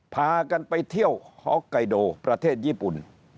พากันไปเที่ยวฮอกไกโดประเทศญี่ปุ่น